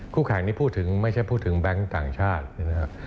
แข่งนี่พูดถึงไม่ใช่พูดถึงแบงค์ต่างชาตินะครับ